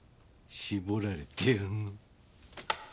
絞られてやんの。